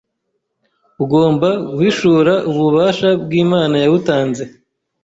ugomba guhishura ububasha bw’Imana yawutanze